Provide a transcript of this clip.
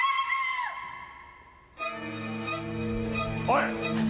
おい！